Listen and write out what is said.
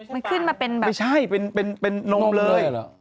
มันขึ้นมาเป็นแบบไม่ใช่เป็นนมเลย